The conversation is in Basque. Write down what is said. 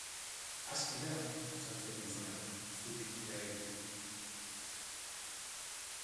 Aski da, esan zuen gizonak, zutik jarririk.